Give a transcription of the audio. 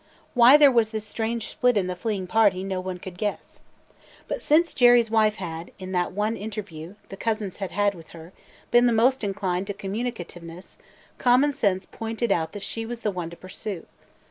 Why there was this strange split in the fleeing party, no one could guess. But since Jerry's wife had, in that one interview the cousins had had with her, been the most inclined to communicativeness, common sense pointed out that she was the one to pursue.